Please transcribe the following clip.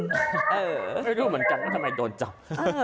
ไม่รู้เหมือนกันว่าทำไมโดนจับ